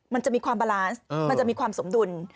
มันจะมีความบาลานซ์มันจะมีความสมดุล